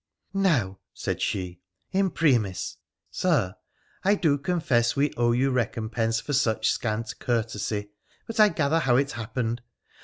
' Now,' said she, ' imprimis, Sir, I do confess we owe you recompense for such scant courtesy ; but I gather how it happened.